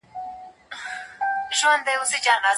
هغه د خپل باغ د ونو د ساتنې لپاره له عضوي سرو کار اخلي.